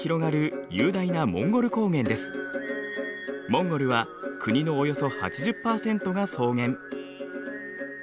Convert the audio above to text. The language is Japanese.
モンゴルは国のおよそ８０％が草原。